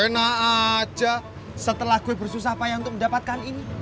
enak aja setelah gue bersusah payah untuk mendapatkan ini